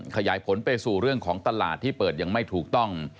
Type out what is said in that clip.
ขยายผลไปสู่เรื่องของตลาดที่เปิดยังไม่ถูกต้อง